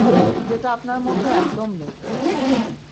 যেটা আপনার মধ্যে একদম নেই।